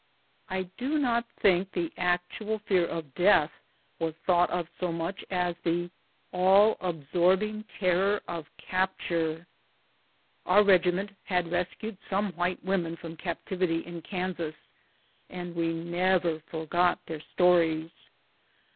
I do not think the actual fear of death was thought of so much as the all absorbing terror of capture. Our regiment had rescued some white women from captivity in Kansas, and we never forgot their stories.